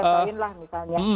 saya contohin lah misalnya